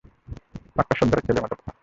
পাক্কা সর্দারের ছেলের মত কথা।